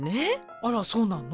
あらそうなの？